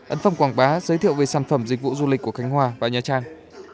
ấn phong quảng bá giới thiệu về sản phẩm dịch vụ du lịch của khánh hòa và nha trang